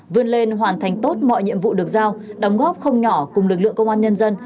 vươn lên hoàn thành tốt mọi nhiệm vụ được giao đóng góp không nhỏ cùng lực lượng công an nhân dân